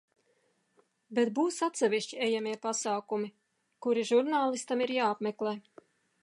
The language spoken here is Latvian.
Bet būs atsevišķi ejamie pasākumi, kuri žurnālistam ir jāapmeklē.